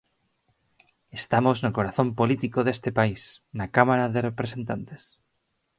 Estamos no corazón político deste país, na Cámara de representantes.